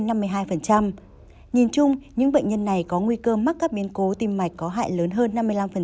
nhìn chung những bệnh nhân này có nguy cơ mắc các biến cố tim mạch có hại lớn hơn năm mươi năm